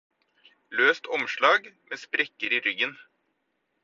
Løst omslag med sprekker i ryggen.